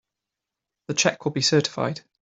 The check will be certified.